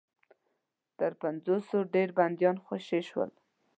تر پنځوسو ډېر بنديان خوشي شول.